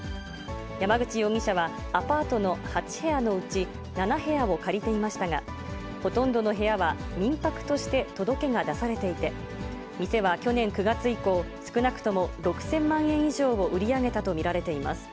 山口容疑者は、アパートの８部屋のうち７部屋を借りていましたが、ほとんどの部屋は、民泊として届けが出されていて、店は去年９月以降、少なくとも６０００万円以上を売り上げたと見られています。